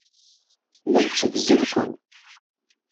Llan tteggzen-ken.